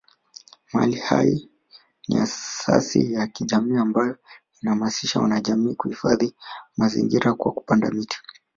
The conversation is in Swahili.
Mali Hai ni asasi ya kijamii ambayo inahamasisha wanajamii kuhifadhi mazingiÅa kwa kupanda miti